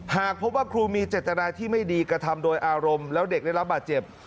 หากพบว่าครูมีเจตนาที่ไม่ดีกระทำโดยอารมณ์แล้วเด็กได้รับบาดเจ็บ